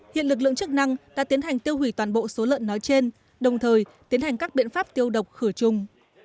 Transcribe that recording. hiện lực lượng chức năng đã tiến hành tiêu hủy toàn bộ số lợn nói trên đồng thời tiến hành các biện pháp tiêu độc khử trùng